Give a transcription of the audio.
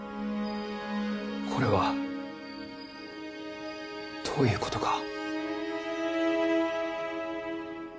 これはどういうことか。